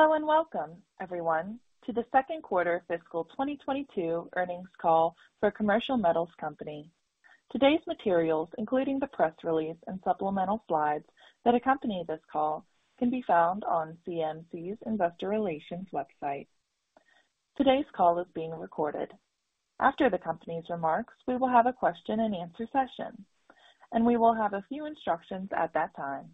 Hello, and welcome everyone to the second quarter fiscal 2022 earnings call for Commercial Metals Company. Today's materials, including the press release and supplemental slides that accompany this call, can be found on CMC's Investor Relations website. Today's call is being recorded. After the company's remarks, we will have a question-and-answer session, and we will have a few instructions at that time.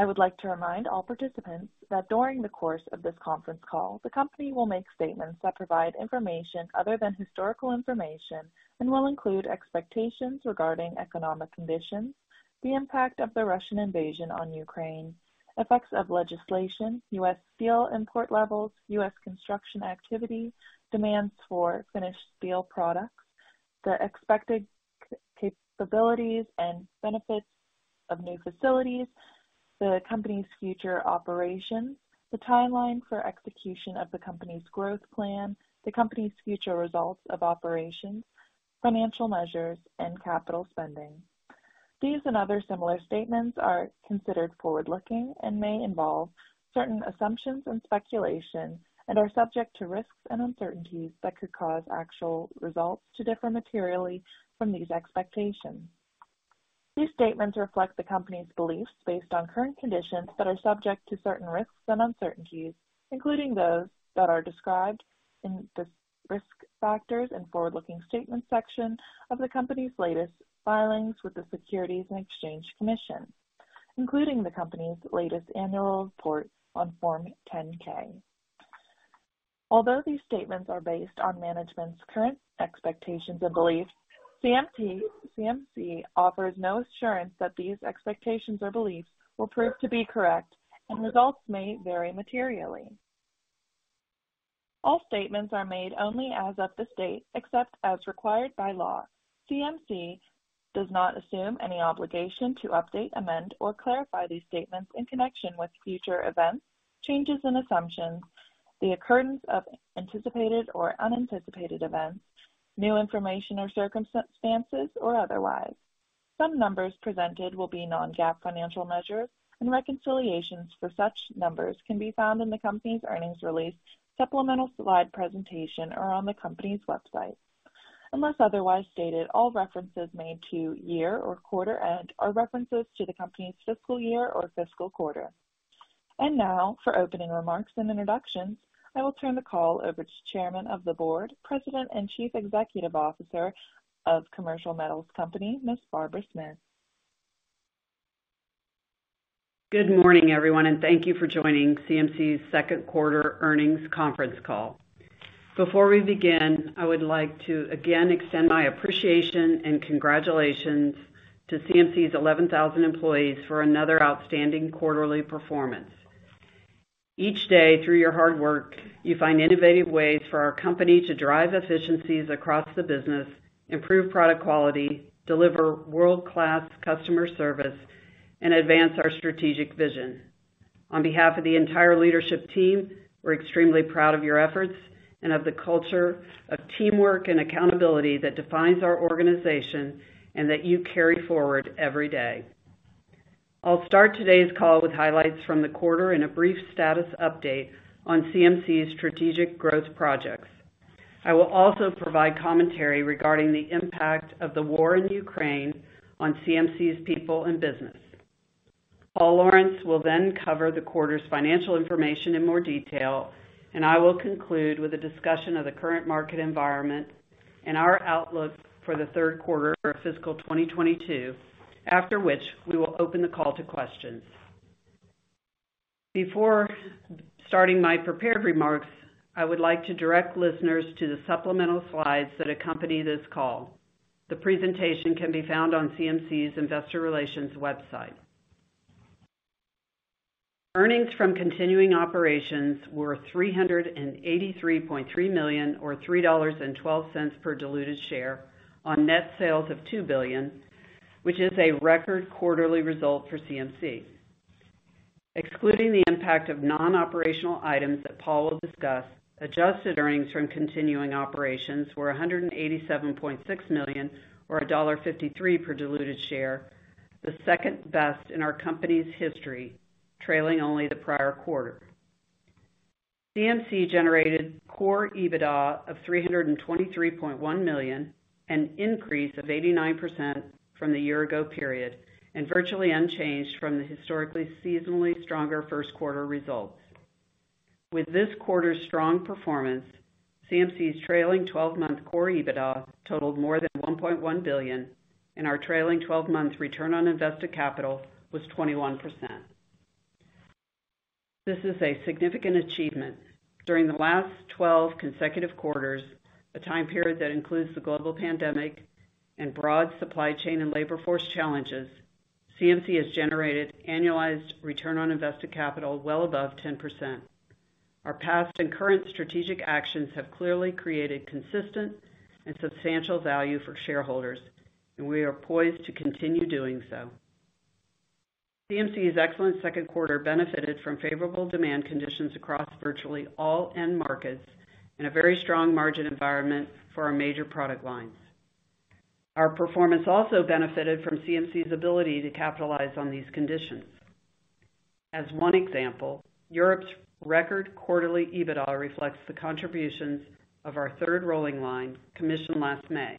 I would like to remind all participants that during the course of this conference call, the company will make statements that provide information other than historical information and will include expectations regarding economic conditions, the impact of the Russian invasion on Ukraine, effects of legislation, U.S. steel import levels, U.S. construction activity, demands for finished steel products, the expected capabilities and benefits of new facilities, the company's future operations, the timeline for execution of the company's growth plan, the company's future results of operations, financial measures, and capital spending. These and other similar statements are considered forward-looking and may involve certain assumptions and speculations and are subject to risks and uncertainties that could cause actual results to differ materially from these expectations. These statements reflect the company's beliefs based on current conditions that are subject to certain risks and uncertainties, including those that are described in the Risk Factors and Forward-Looking Statement section of the company's latest filings with the Securities and Exchange Commission, including the company's latest annual report on Form 10-K. Although these statements are based on management's current expectations and beliefs, CMC offers no assurance that these expectations or beliefs will prove to be correct, and results may vary materially. All statements are made only as of this date, except as required by law. CMC does not assume any obligation to update, amend, or clarify these statements in connection with future events, changes in assumptions, the occurrence of anticipated or unanticipated events, new information or circumstances, or otherwise. Some numbers presented will be non-GAAP financial measures, and reconciliations for such numbers can be found in the company's earnings release supplemental slide presentation or on the company's website. Unless otherwise stated, all references made to year or quarter end are references to the company's fiscal year or fiscal quarter. Now for opening remarks and introductions, I will turn the call over to Chairman of the Board, President, and Chief Executive Officer of Commercial Metals Company, Ms. Barbara Smith. Good morning, everyone, and thank you for joining CMC's second quarter earnings conference call. Before we begin, I would like to again extend my appreciation and congratulations to CMC's 11,000 employees for another outstanding quarterly performance. Each day, through your hard work, you find innovative ways for our company to drive efficiencies across the business, improve product quality, deliver world-class customer service, and advance our strategic vision. On behalf of the entire leadership team, we're extremely proud of your efforts and of the culture of teamwork and accountability that defines our organization and that you carry forward every day. I'll start today's call with highlights from the quarter and a brief status update on CMC's strategic growth projects. I will also provide commentary regarding the impact of the war in Ukraine on CMC's people and business. Paul Lawrence will then cover the quarter's financial information in more detail, and I will conclude with a discussion of the current market environment and our outlook for the third quarter of fiscal 2022. After which, we will open the call to questions. Before starting my prepared remarks, I would like to direct listeners to the supplemental slides that accompany this call. The presentation can be found on CMC's Investor Relations website. Earnings from continuing operations were $383.3 million or $3.12 per diluted share on net sales of $2 billion, which is a record quarterly result for CMC. Excluding the impact of non-operational items that Paul will discuss, adjusted earnings from continuing operations were $187.6 million or $1.53 per diluted share. The second best in our company's history, trailing only the prior quarter. CMC generated core EBITDA of $323.1 million, an increase of 89% from the year ago period, and virtually unchanged from the historically seasonally stronger first quarter results. With this quarter's strong performance, CMC's trailing twelve-month core EBITDA totaled more than $1.1 billion, and our trailing twelve-month return on invested capital was 21%. This is a significant achievement. During the last twelve consecutive quarters, a time period that includes the global pandemic and broad supply chain and labor force challenges, CMC has generated annualized Return on Invested Capital well above 10%. Our past and current strategic actions have clearly created consistent and substantial value for shareholders, and we are poised to continue doing so. CMC's excellent second quarter benefited from favorable demand conditions across virtually all end markets in a very strong margin environment for our major product lines. Our performance also benefited from CMC's ability to capitalize on these conditions. As one example, Europe's record quarterly EBITDA reflects the contributions of our third rolling line commissioned last May.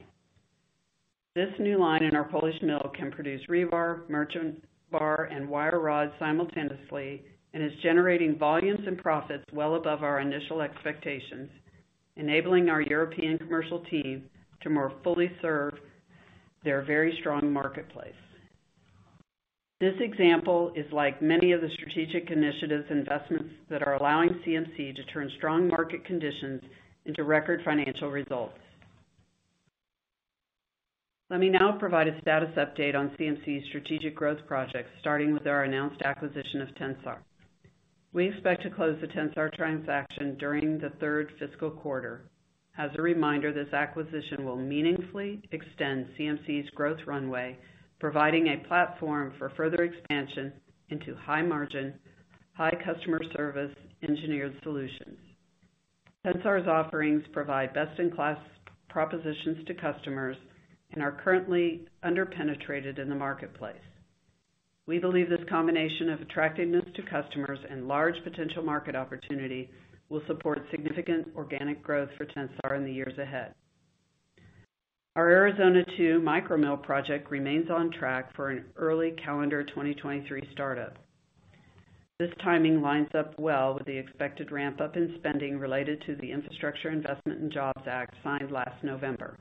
This new line in our Polish mill can produce rebar, merchant bar, and wire rod simultaneously and is generating volumes and profits well above our initial expectations, enabling our European commercial team to more fully serve their very strong marketplace. This example is like many of the strategic initiatives investments that are allowing CMC to turn strong market conditions into record financial results. Let me now provide a status update on CMC's strategic growth projects, starting with our announced acquisition of Tensar. We expect to close the Tensar transaction during the third fiscal quarter. As a reminder, this acquisition will meaningfully extend CMC's growth runway, providing a platform for further expansion into high margin, high customer service engineered solutions. Tensar's offerings provide best-in-class propositions to customers and are currently under-penetrated in the marketplace. We believe this combination of attractiveness to customers and large potential market opportunity will support significant organic growth for Tensar in the years ahead. Our Arizona 2 micro mill project remains on track for an early calendar 2023 startup. This timing lines up well with the expected ramp up in spending related to the Infrastructure Investment and Jobs Act signed last November.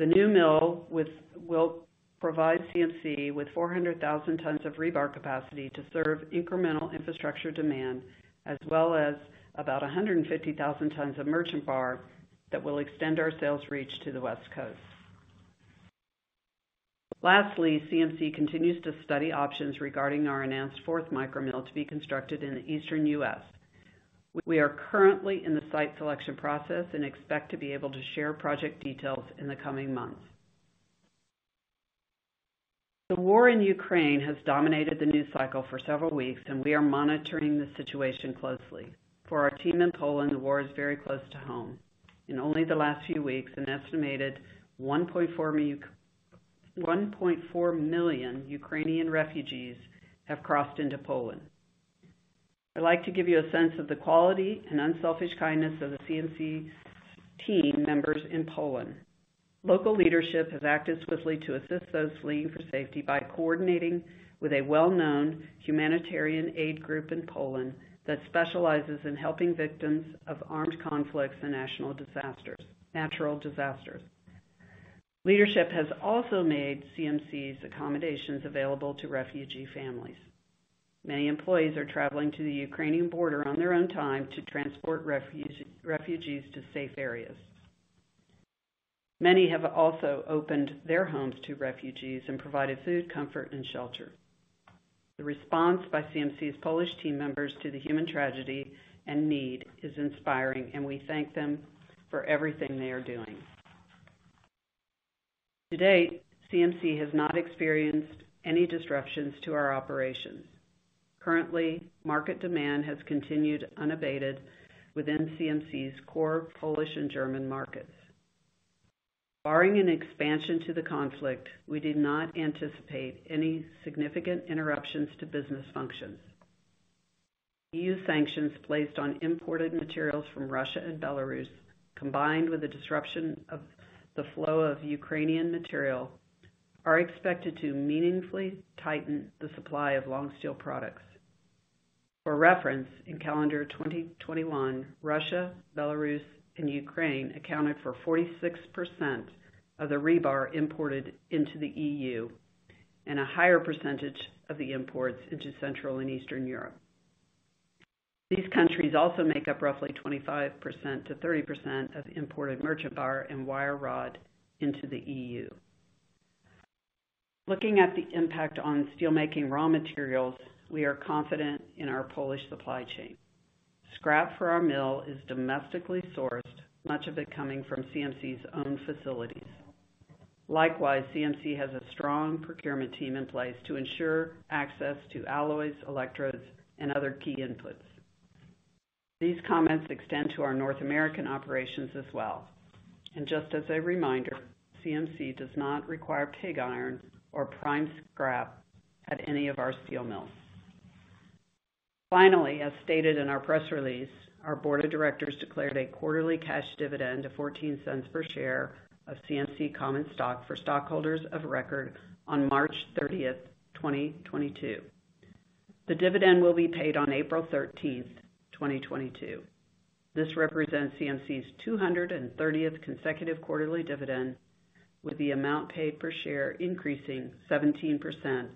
The new mill will provide CMC with 400,000 tons of rebar capacity to serve incremental infrastructure demand, as well as about 150,000 tons of merchant bar that will extend our sales reach to the West Coast. Lastly, CMC continues to study options regarding our announced fourth micro mill to be constructed in the eastern U.S. We are currently in the site selection process and expect to be able to share project details in the coming months. The war in Ukraine has dominated the news cycle for several weeks, and we are monitoring the situation closely. For our team in Poland, the war is very close to home. In only the last few weeks, an estimated 1.4 million Ukrainian refugees have crossed into Poland. I'd like to give you a sense of the quality and unselfish kindness of the CMC team members in Poland. Local leadership have acted swiftly to assist those fleeing for safety by coordinating with a well-known humanitarian aid group in Poland that specializes in helping victims of armed conflicts and natural disasters. Leadership has also made CMC's accommodations available to refugee families. Many employees are traveling to the Ukrainian border on their own time to transport refugees to safe areas. Many have also opened their homes to refugees and provided food, comfort, and shelter. The response by CMC's Polish team members to the human tragedy and need is inspiring, and we thank them for everything they are doing. To date, CMC has not experienced any disruptions to our operations. Currently, market demand has continued unabated within CMC's core Polish and German markets. Barring an expansion to the conflict, we do not anticipate any significant interruptions to business functions. EU sanctions placed on imported materials from Russia and Belarus, combined with the disruption of the flow of Ukrainian material, are expected to meaningfully tighten the supply of long steel products. For reference, in calendar 2021, Russia, Belarus, and Ukraine accounted for 46% of the rebar imported into the EU and a higher percentage of the imports into Central and Eastern Europe. These countries also make up roughly 25%-30% of imported merchant bar and wire rod into the EU. Looking at the impact on steelmaking raw materials, we are confident in our Polish supply chain. Scrap for our mill is domestically sourced, much of it coming from CMC's own facilities. Likewise, CMC has a strong procurement team in place to ensure access to alloys, electrodes, and other key inputs. These comments extend to our North American operations as well. Just as a reminder, CMC does not require pig iron or prime scrap at any of our steel mills. Finally, as stated in our press release, our board of directors declared a quarterly cash dividend of $0.14 per share of CMC common stock for stockholders of record on March 30, 2022. The dividend will be paid on April 13, 2022. This represents CMC's 230th consecutive quarterly dividend, with the amount paid per share increasing 17%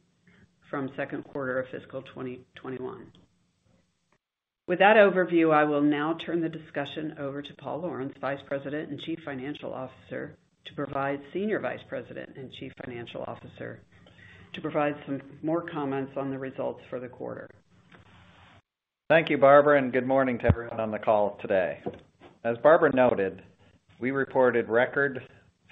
from second quarter of fiscal 2021. With that overview, I will now turn the discussion over to Paul Lawrence, Senior Vice President and Chief Financial Officer, to provide some more comments on the results for the quarter. Thank you, Barbara, and good morning to everyone on the call today. As Barbara noted, we reported record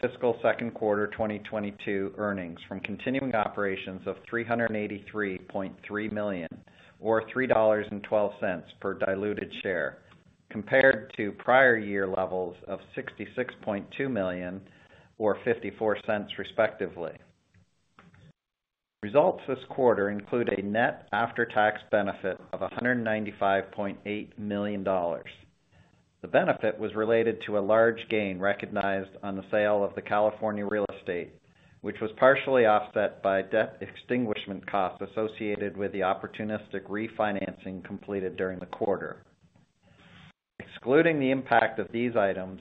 fiscal second quarter 2022 earnings from continuing operations of $383.3 million, or $3.12 per diluted share. Compared to prior year levels of $66.2 million or $0.54 respectively. Results this quarter include a net after-tax benefit of $195.8 million. The benefit was related to a large gain recognized on the sale of the California Real Estate, which was partially offset by debt extinguishment costs associated with the opportunistic refinancing completed during the quarter. Excluding the impact of these items,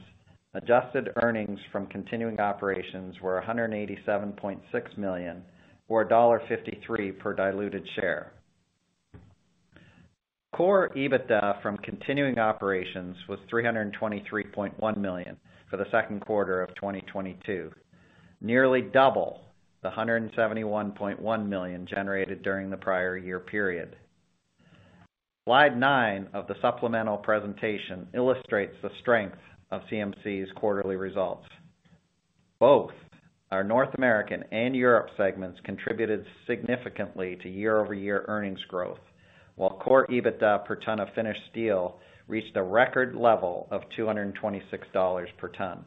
adjusted earnings from continuing operations were $187.6 million, or $1.53 per diluted share. Core EBITDA from continuing operations was $323.1 million for the second quarter of 2022, nearly double the $171.1 million generated during the prior year period. Slide nine of the supplemental presentation illustrates the strength of CMC's quarterly results. Both our North American and Europe segments contributed significantly to year-over-year earnings growth, while core EBITDA per ton of finished steel reached a record level of $226 per ton.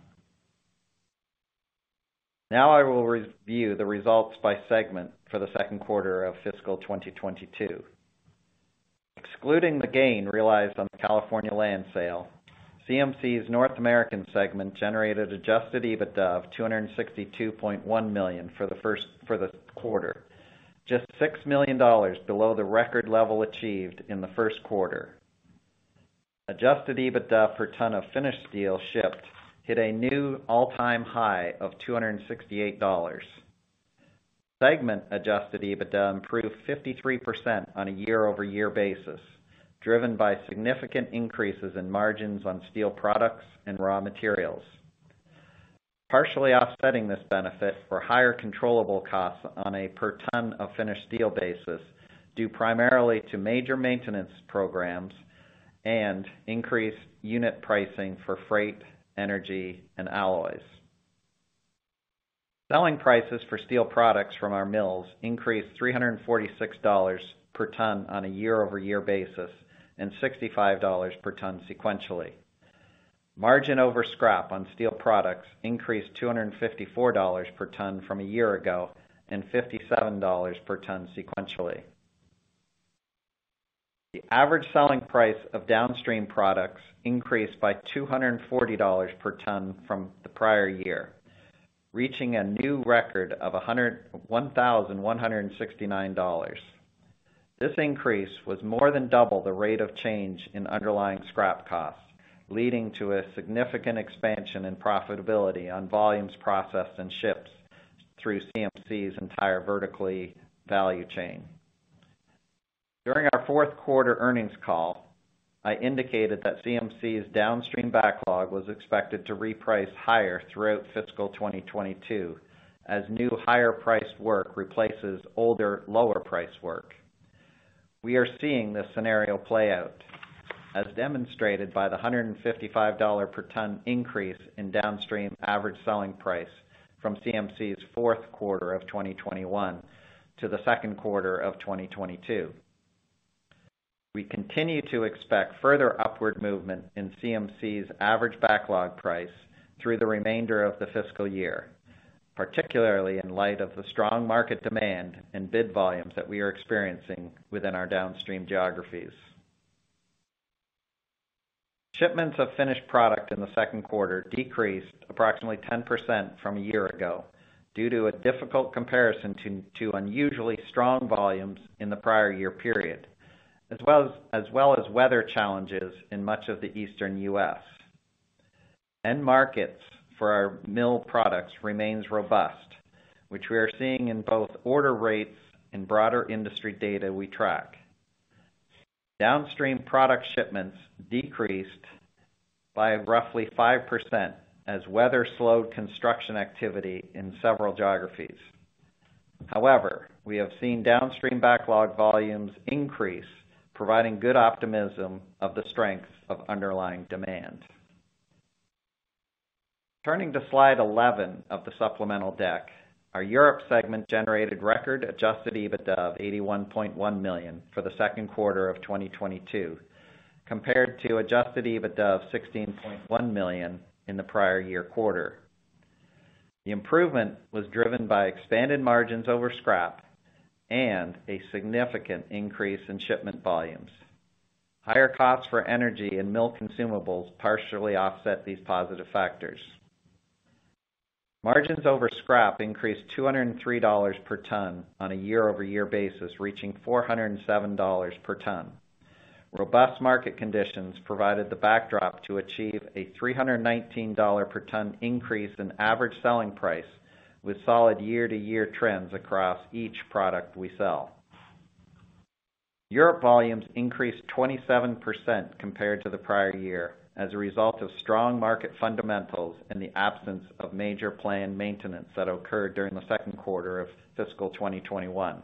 Now I will review the results by segment for the second quarter of fiscal 2022. Excluding the gain realized on the California land sale, CMC's North American segment generated adjusted EBITDA of $262.1 million for the quarter, just $6 million below the record level achieved in the first quarter. Adjusted EBITDA per ton of finished steel shipped hit a new all-time high of $268. Segment adjusted EBITDA improved 53% on a year-over-year basis, driven by significant increases in margins on steel products and raw materials. Partially offsetting this benefit were higher controllable costs on a per ton of finished steel basis, due primarily to major maintenance programs and increased unit pricing for freight, energy, and alloys. Selling prices for steel products from our mills increased $346 per ton on a year-over-year basis, and $65 per ton sequentially. Margin over scrap on steel products increased $254 per ton from a year ago and $57 per ton sequentially. The average selling price of downstream products increased by $240 per ton from the prior year, reaching a new record of $1,169. This increase was more than double the rate of change in underlying scrap costs, leading to a significant expansion in profitability on volumes processed and shipped through CMC's entire vertically integrated value chain. During our fourth quarter earnings call, I indicated that CMC's downstream backlog was expected to reprice higher throughout fiscal 2022 as new higher-priced work replaces older lower-priced work. We are seeing this scenario play out, as demonstrated by the $155 per ton increase in downstream average selling price from CMC's fourth quarter of 2021 to the second quarter of 2022. We continue to expect further upward movement in CMC's average backlog price through the remainder of the fiscal year, particularly in light of the strong market demand and bid volumes that we are experiencing within our downstream geographies. Shipments of finished product in the second quarter decreased approximately 10% from a year ago due to a difficult comparison to unusually strong volumes in the prior year period, as well as weather challenges in much of the Eastern U.S. End markets for our mill products remains robust, which we are seeing in both order rates and broader industry data we track. Downstream product shipments decreased by roughly 5% as weather slowed construction activity in several geographies. However, we have seen downstream backlog volumes increase, providing good optimism of the strength of underlying demand. Turning to slide 11 of the supplemental deck. Our Europe segment generated record adjusted EBITDA of $81.1 million for the second quarter of 2022, compared to adjusted EBITDA of $16.1 million in the prior year quarter. The improvement was driven by expanded margins over scrap and a significant increase in shipment volumes. Higher costs for energy and mill consumables partially offset these positive factors. Margins over scrap increased $203 per ton on a year-over-year basis, reaching $407 per ton. Robust market conditions provided the backdrop to achieve a $319 per ton increase in average selling price with solid year-to-year trends across each product we sell. Europe volumes increased 27% compared to the prior year as a result of strong market fundamentals and the absence of major planned maintenance that occurred during the second quarter of fiscal 2021.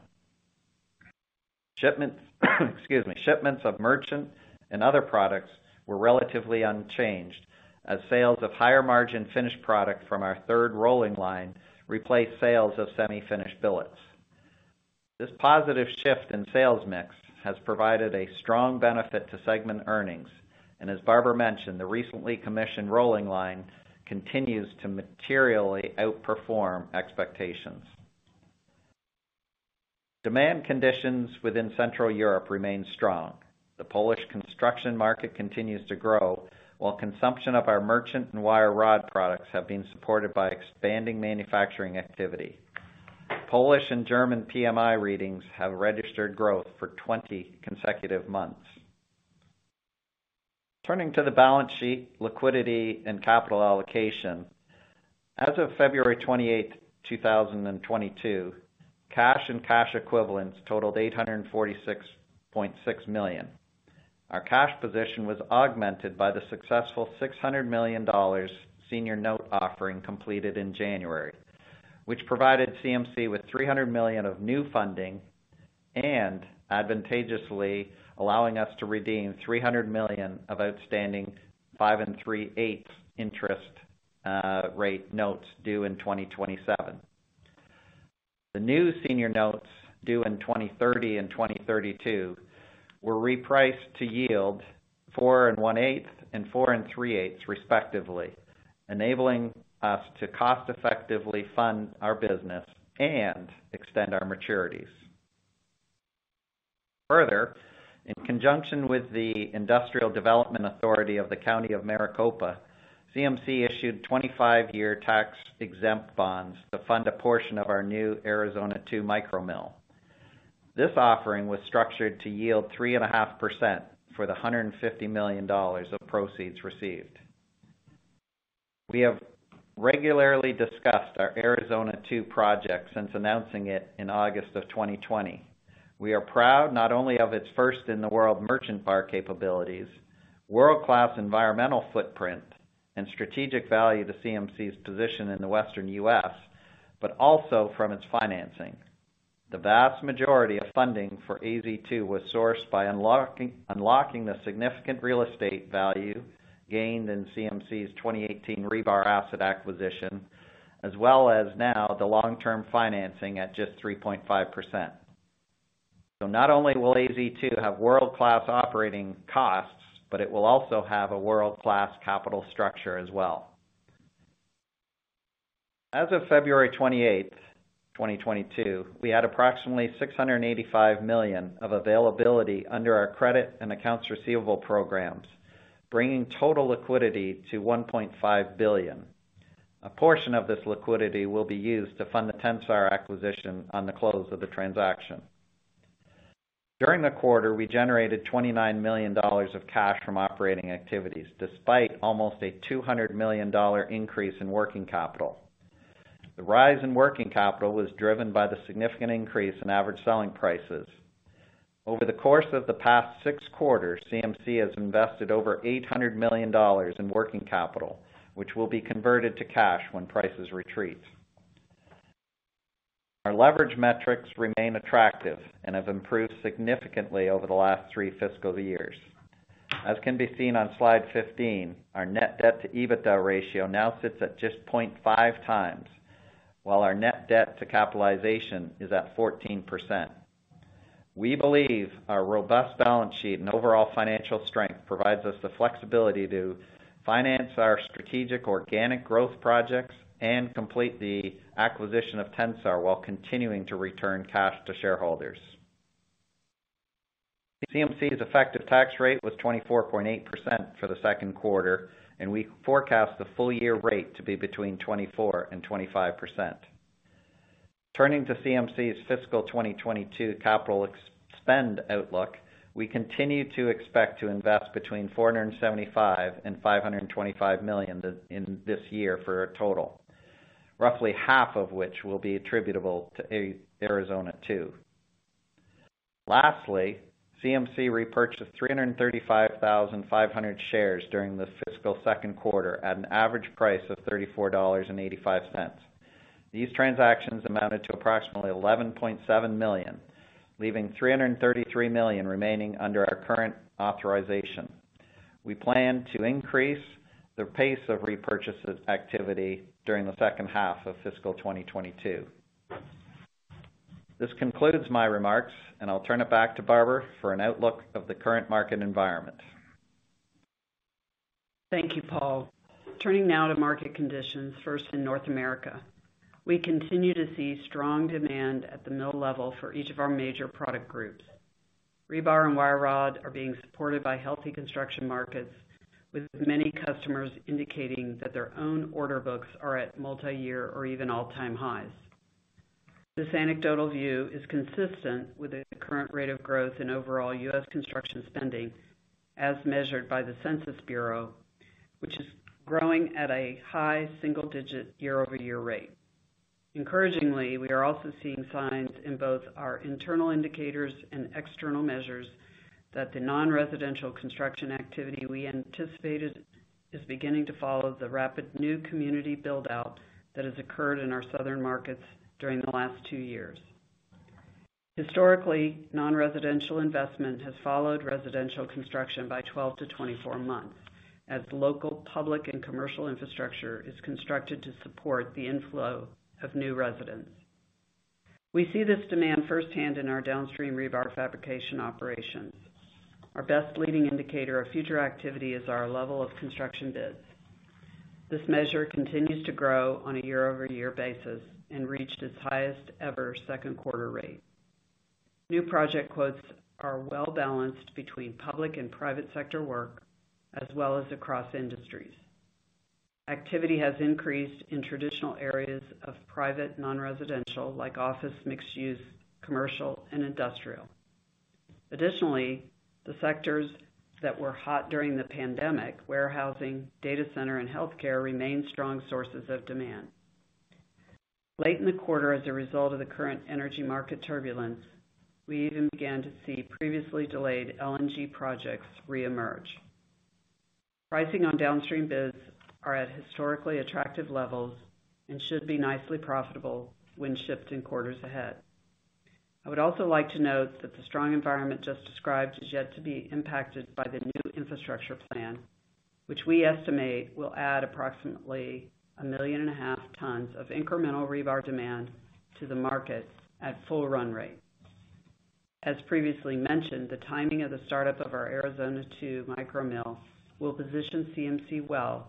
Shipments of merchant and other products were relatively unchanged as sales of higher-margin finished product from our third rolling line replaced sales of semi-finished billets. This positive shift in sales mix has provided a strong benefit to segment earnings. As Barbara mentioned, the recently commissioned rolling line continues to materially outperform expectations. Demand conditions within Central Europe remain strong. The Polish construction market continues to grow, while consumption of our merchant and wire rod products have been supported by expanding manufacturing activity. Polish and German PMI readings have registered growth for 20 consecutive months. Turning to the balance sheet, liquidity, and capital allocation. As of February 28, 2022, cash and cash equivalents totaled $846.6 million. Our cash position was augmented by the successful $600 million senior note offering completed in January, which provided CMC with $300 million of new funding and advantageously allowing us to redeem $300 million of outstanding 5 3/8% interest rate notes due in 2027. The new senior notes due in 2030 and 2032 were repriced to yield 4 1/8% and 4 3/8%, respectively, enabling us to cost effectively fund our business and extend our maturities. Further, in conjunction with the Industrial Development Authority of the County of Maricopa, CMC issued 25-year tax-exempt bonds to fund a portion of our new Arizona 2 micro mill. This offering was structured to yield 3.5% for the $150 million of proceeds received. We have regularly discussed our Arizona 2 project since announcing it in August 2020. We are proud not only of its first in the world merchant bar capabilities, world-class environmental footprint and strategic value to CMC's position in the Western U.S., but also from its financing. The vast majority of funding for AZ2 was sourced by unlocking the significant real estate value gained in CMC's 2018 rebar asset acquisition, as well as now the long-term financing at just 3.5%. Not only will AZ2 have world-class operating costs, but it will also have a world-class capital structure as well. As of February 28, 2022, we had approximately $685 million of availability under our credit and accounts receivable programs, bringing total liquidity to $1.5 billion. A portion of this liquidity will be used to fund the Tensar acquisition on the close of the transaction. During the quarter, we generated $29 million of cash from operating activities, despite almost a $200 million increase in working capital. The rise in working capital was driven by the significant increase in average selling prices. Over the course of the past 6 quarters, CMC has invested over $800 million in working capital, which will be converted to cash when prices retreat. Our leverage metrics remain attractive and have improved significantly over the last 3 fiscal years. As can be seen on slide 15, our net debt to EBITDA ratio now sits at just 0.5x, while our net debt to capitalization is at 14%. We believe our robust balance sheet and overall financial strength provides us the flexibility to finance our strategic organic growth projects and complete the acquisition of Tensar while continuing to return cash to shareholders. CMC's effective tax rate was 24.8% for the second quarter, and we forecast the full year rate to be between 24% and 25%. Turning to CMC's fiscal 2022 CapEx outlook, we continue to expect to invest between $475 million and $525 million this year for a total, roughly half of which will be attributable to Arizona 2. Lastly, CMC repurchased 335,500 shares during the fiscal second quarter at an average price of $34.85. These transactions amounted to approximately $11.7 million, leaving $333 million remaining under our current authorization. We plan to increase the pace of repurchase activity during the second half of fiscal 2022. This concludes my remarks, and I'll turn it back to Barbara for an outlook of the current market environment. Thank you, Paul. Turning now to market conditions, first in North America. We continue to see strong demand at the mill level for each of our major product groups. Rebar and wire rod are being supported by healthy construction markets, with many customers indicating that their own order books are at multi-year or even all-time highs. This anecdotal view is consistent with the current rate of growth in overall U.S. construction spending as measured by the Census Bureau, which is growing at a high single digit year-over-year rate. Encouragingly, we are also seeing signs in both our internal indicators and external measures that the non-residential construction activity we anticipated is beginning to follow the rapid new community build out that has occurred in our southern markets during the last two years. Historically, non-residential investment has followed residential construction by 12-24 months as local, public, and commercial infrastructure is constructed to support the inflow of new residents. We see this demand firsthand in our downstream rebar fabrication operations. Our best leading indicator of future activity is our level of construction bids. This measure continues to grow on a year-over-year basis and reached its highest ever second quarter rate. New project quotes are well-balanced between public and private sector work, as well as across industries. Activity has increased in traditional areas of private non-residential, like office, mixed use, commercial, and industrial. Additionally, the sectors that were hot during the pandemic, warehousing, data center, and healthcare, remain strong sources of demand. Late in the quarter, as a result of the current energy market turbulence, we even began to see previously delayed LNG projects re-emerge. Pricing on downstream bids are at historically attractive levels and should be nicely profitable when shipped in quarters ahead. I would also like to note that the strong environment just described is yet to be impacted by the new infrastructure plan, which we estimate will add approximately 1.5 million tons of incremental rebar demand to the market at full run rate. As previously mentioned, the timing of the startup of our Arizona 2 micro mill will position CMC well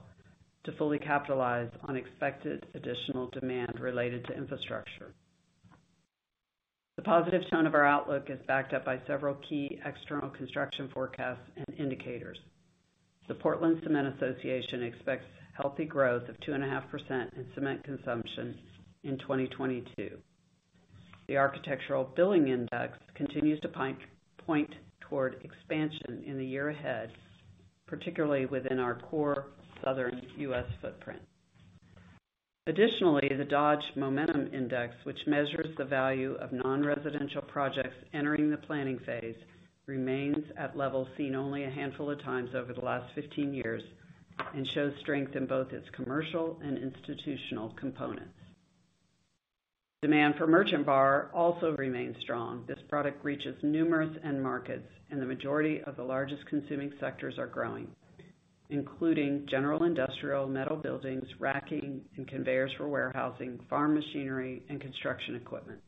to fully capitalize on expected additional demand related to infrastructure. The positive tone of our outlook is backed up by several key external construction forecasts and indicators. The Portland Cement Association expects healthy growth of 2.5% in cement consumption in 2022. The Architectural Billings Index continues to point toward expansion in the year ahead, particularly within our core Southern U.S. footprint. Additionally, the Dodge Momentum Index, which measures the value of nonresidential projects entering the planning phase, remains at levels seen only a handful of times over the last 15 years and shows strength in both its commercial and institutional components. Demand for merchant bar also remains strong. This product reaches numerous end markets, and the majority of the largest consuming sectors are growing, including general industrial, metal buildings, racking, and conveyors for warehousing, farm machinery, and construction equipment.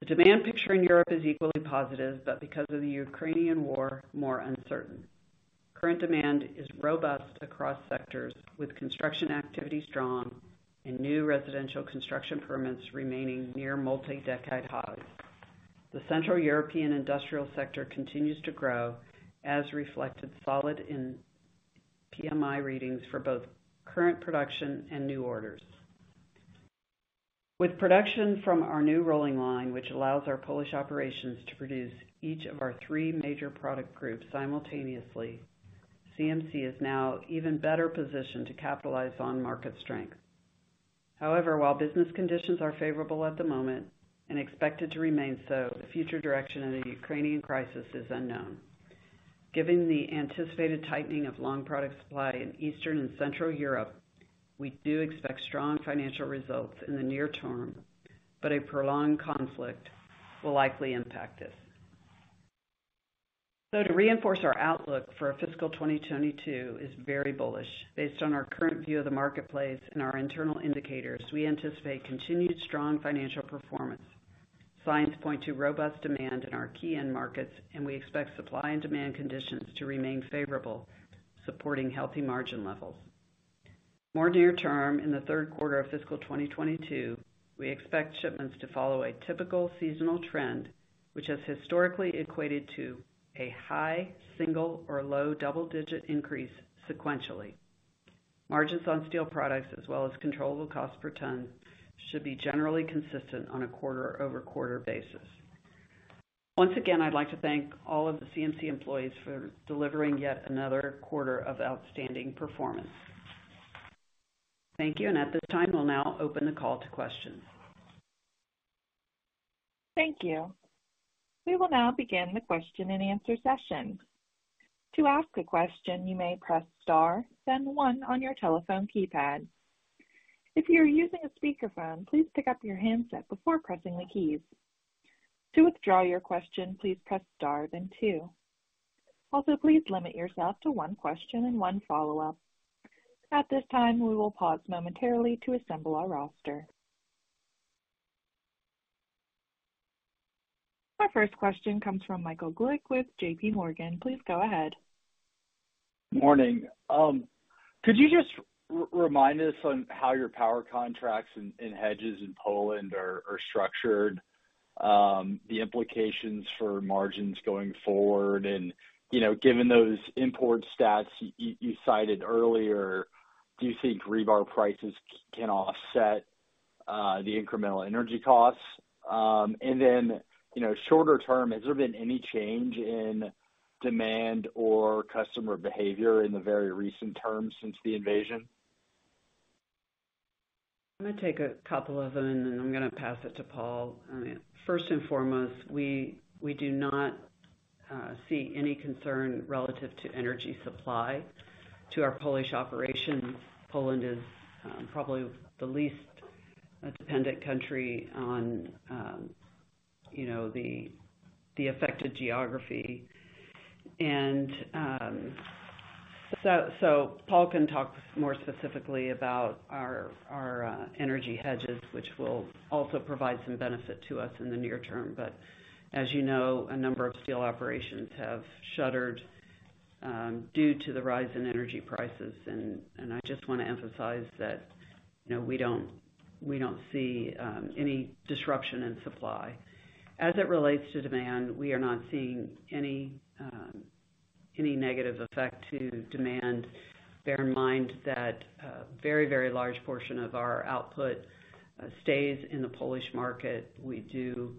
The demand picture in Europe is equally positive, but because of the Ukrainian war, more uncertain. Current demand is robust across sectors, with construction activity strong and new residential construction permits remaining near multi-decade highs. The Central European industrial sector continues to grow, as reflected in solid PMI readings for both current production and new orders. With production from our new rolling line, which allows our Polish operations to produce each of our three major product groups simultaneously, CMC is now even better positioned to capitalize on market strength. However, while business conditions are favorable at the moment and expected to remain so, the future direction of the Ukrainian crisis is unknown. Given the anticipated tightening of long product supply in Eastern and Central Europe, we do expect strong financial results in the near term, but a prolonged conflict will likely impact us. To reinforce our outlook for our fiscal 2022 is very bullish. Based on our current view of the marketplace and our internal indicators, we anticipate continued strong financial performance. Signs point to robust demand in our key end markets, and we expect supply and demand conditions to remain favorable, supporting healthy margin levels. More near term, in the third quarter of fiscal 2022, we expect shipments to follow a typical seasonal trend, which has historically equated to a high single or low double-digit increase sequentially. Margins on steel products as well as controllable cost per ton should be generally consistent on a quarter-over-quarter basis. Once again, I'd like to thank all of the CMC employees for delivering yet another quarter of outstanding performance. Thank you. At this time, we'll now open the call to questions. Thank you. We will now begin the question and answer session. To ask a question, you may press star, then one on your telephone keypad. If you're using a speaker phone, please pick up your handset before pressing the keys. To withdraw your question, please press star then two. Also, please limit yourself to one question and one follow-up. At this time, we will pause momentarily to assemble our roster. Our first question comes from Michael Glick with JPMorgan. Please go ahead. Morning. Could you just remind us on how your power contracts in hedges in Poland are structured, the implications for margins going forward? You know, given those import stats you cited earlier, do you think rebar prices can offset the incremental energy costs? You know, shorter term, has there been any change in demand or customer behavior in the very recent terms since the invasion? I'm gonna take a couple of them, and I'm gonna pass it to Paul. I mean, first and foremost, we do not see any concern relative to energy supply to our Polish operations. Poland is probably the least dependent country on, you know, the affected geography. Paul can talk more specifically about our energy hedges, which will also provide some benefit to us in the near term. As you know, a number of steel operations have shuttered due to the rise in energy prices. I just wanna emphasize that, you know, we don't see any disruption in supply. As it relates to demand, we are not seeing any negative effect to demand. Bear in mind that a very, very large portion of our output stays in the Polish market. We do.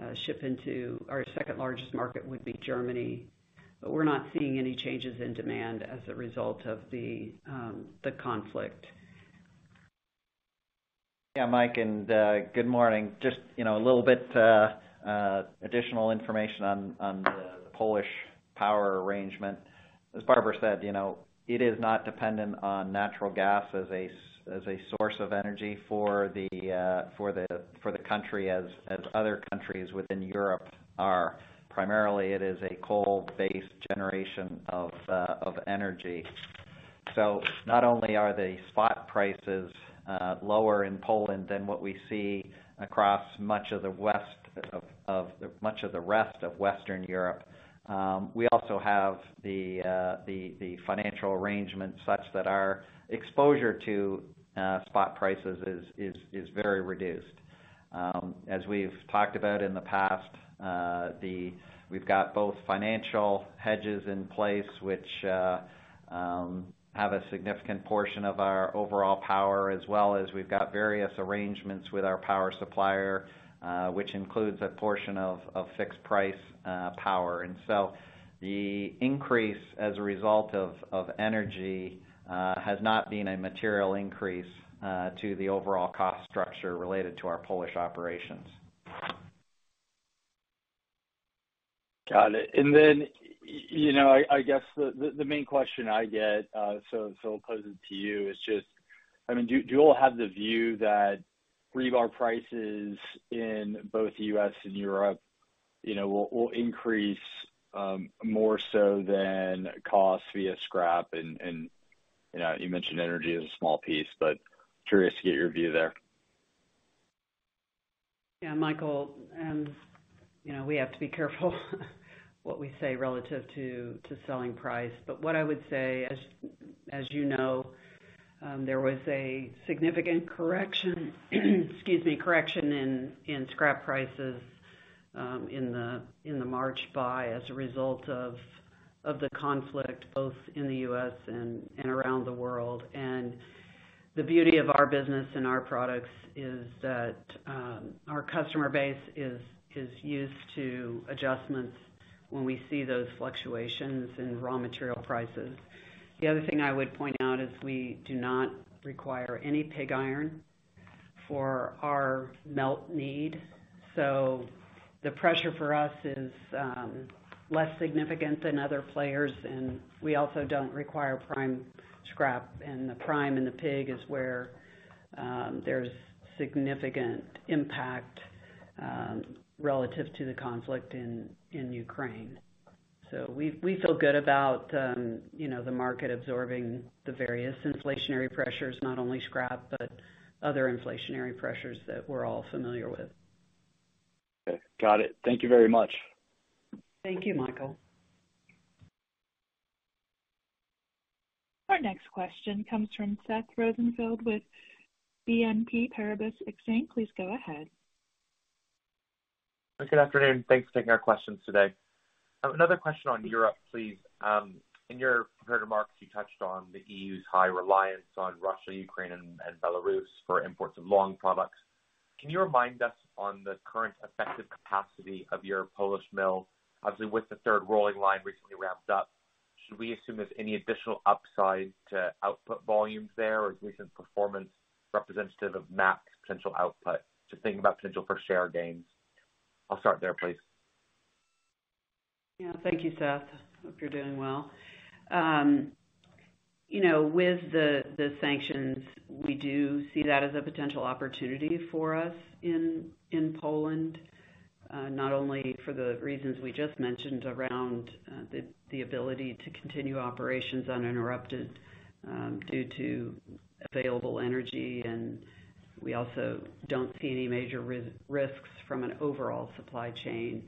Our second-largest market would be Germany. We're not seeing any changes in demand as a result of the conflict. Yeah, Mike, good morning. Just, you know, a little bit additional information on the Polish power arrangement. As Barbara said, you know, it is not dependent on natural gas as a source of energy for the country as other countries within Europe are. Primarily, it is a coal-based generation of energy. So not only are the spot prices lower in Poland than what we see across much of the rest of Western Europe, we also have the financial arrangement such that our exposure to spot prices is very reduced. As we've talked about in the past, we've got both financial hedges in place, which have a significant portion of our overall power, as well as we've got various arrangements with our power supplier, which includes a portion of fixed price power. The increase as a result of energy has not been a material increase to the overall cost structure related to our Polish operations. Got it. You know, I guess the main question I get, so I'll pose it to you. It's just, I mean, do you all have the view that rebar prices in both the U.S. and Europe, you know, will increase more so than costs via scrap? You know, you mentioned energy is a small piece, but curious to get your view there. Yeah, Michael, you know, we have to be careful what we say relative to selling price. What I would say, as you know, there was a significant correction in scrap prices in the March buy as a result of the conflict both in the U.S. and around the world. The beauty of our business and our products is that our customer base is used to adjustments when we see those fluctuations in raw material prices. The other thing I would point out is we do not require any pig iron for our melt need. The pressure for us is less significant than other players, and we also don't require prime scrap. The prime and the pig is where there's significant impact relative to the conflict in Ukraine. We feel good about, you know, the market absorbing the various inflationary pressures. Not only scrap, but other inflationary pressures that we're all familiar with. Okay. Got it. Thank you very much. Thank you, Michael. Our next question comes from Seth Rosenfeld with BNP Paribas Exane. Please go ahead. Good afternoon. Thanks for taking our questions today. Another question on Europe, please. In your prepared remarks, you touched on the EU's high reliance on Russia, Ukraine, and Belarus for imports of long products. Can you remind us on the current effective capacity of your Polish mill? Obviously, with the third rolling line recently ramped up, should we assume there's any additional upside to output volumes there, or is recent performance representative of maxed potential output? Just thinking about potential for share gains. I'll start there, please. Yeah. Thank you, Seth. Hope you're doing well. You know, with the sanctions, we do see that as a potential opportunity for us in Poland, not only for the reasons we just mentioned around the ability to continue operations uninterrupted, due to available energy. We also don't see any major res-risks from an overall supply chain.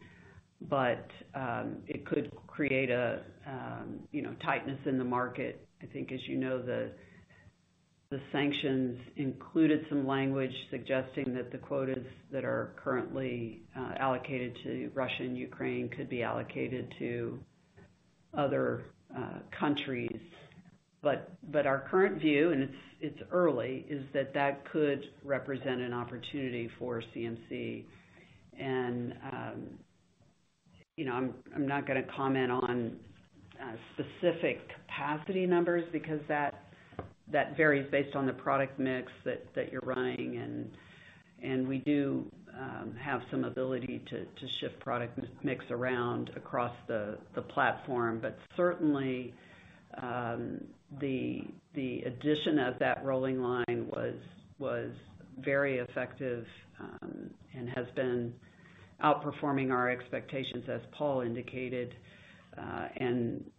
It could create tightness in the market. I think as you know, the sanctions included some language suggesting that the quotas that are currently allocated to Russia and Ukraine could be allocated to other countries. Our current view, and it's early, is that that could represent an opportunity for CMC. You know, I'm not gonna comment on specific capacity numbers because that varies based on the product mix that you're running. We do have some ability to shift product mix around across the platform. Certainly The addition of that rolling line was very effective and has been outperforming our expectations, as Paul indicated.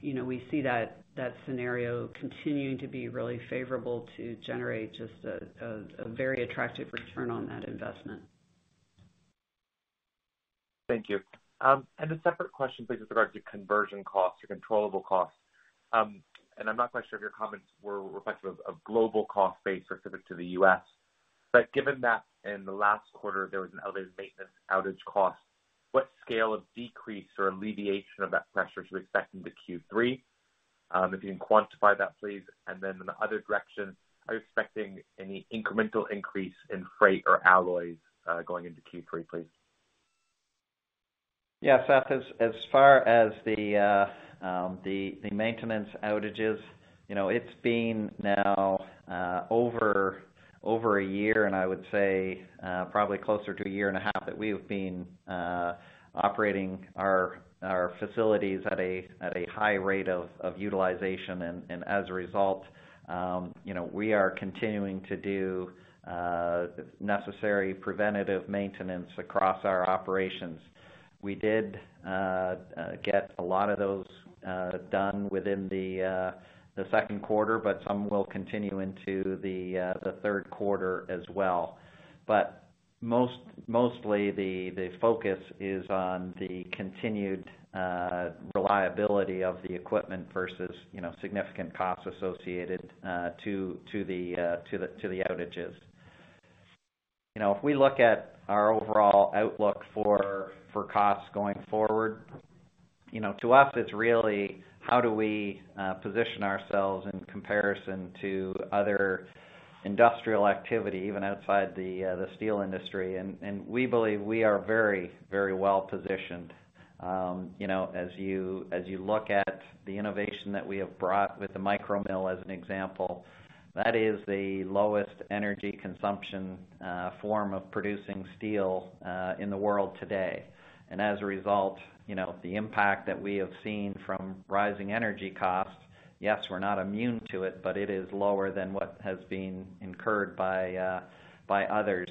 You know, we see that scenario continuing to be really favorable to generate just a very attractive return on that investment. Thank you. A separate question, please, with regard to conversion costs or controllable costs. I'm not quite sure if your comments were reflective of global cost base or specific to the U.S. Given that in the last quarter, there was an elevated maintenance outage cost, what scale of decrease or alleviation of that pressure should we expect into Q3? If you can quantify that, please. Then in the other direction, are you expecting any incremental increase in freight or alloys, going into Q3, please? Yeah, Seth, as far as the maintenance outages, you know, it's been now over a year, and I would say probably closer to a year and a half that we have been operating our facilities at a high rate of utilization. As a result, you know, we are continuing to do necessary preventative maintenance across our operations. We did get a lot of those done within the second quarter, but some will continue into the third quarter as well. Mostly, the focus is on the continued reliability of the equipment versus, you know, significant costs associated to the outages. You know, if we look at our overall outlook for costs going forward, you know, to us, it's really how do we position ourselves in comparison to other industrial activity, even outside the steel industry. We believe we are very well positioned. You know, as you look at the innovation that we have brought with the micro mill, as an example, that is the lowest energy consumption form of producing steel in the world today. As a result, you know, the impact that we have seen from rising energy costs, yes, we're not immune to it, but it is lower than what has been incurred by others.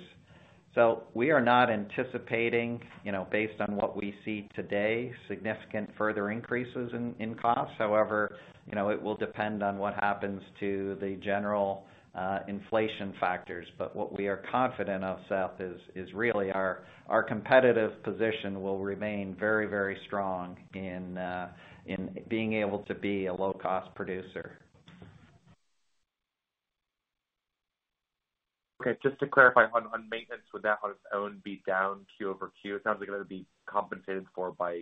We are not anticipating, you know, based on what we see today, significant further increases in costs. However, you know, it will depend on what happens to the general inflation factors. What we are confident of, Seth, is really our competitive position will remain very, very strong in being able to be a low-cost producer. Okay. Just to clarify on maintenance, would that on its own be down Q over Q? It sounds like it'll be compensated for by